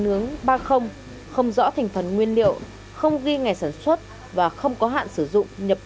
nướng ba không rõ thành phần nguyên liệu không ghi ngày sản xuất và không có hạn sử dụng nhập